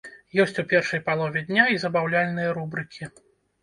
Ёсць у першай палове дня і забаўляльныя рубрыкі.